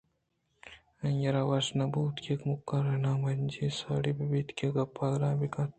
آئی ءَ را وش نہ بوت کہ کمکار نیامجی ءَ ساڑی بہ بیت کہ آ گپ ءُ گالے بہ کنت